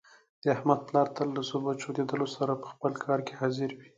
د احمد پلار تل له صبح چودېدلو سره په خپل کار کې حاضر وي.